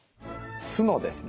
酢のですね